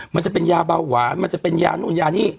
มันจะเป็นยาเบาหวานมันจะเป็นยานู่นยานี่